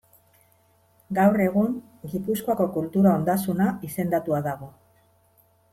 Gaur egun Gipuzkoako kultura ondasuna izendatua dago.